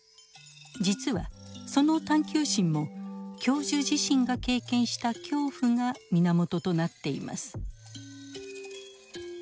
実はその探究心も教授自身が経験した恐怖が源となっています。